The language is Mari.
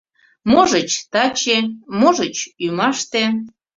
— Можыч, таче, можыч, ӱмаште...